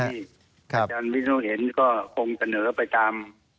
อาจารย์วิศนุเห็นก็คงเสนอไปตาม